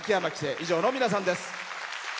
以上の皆さんです。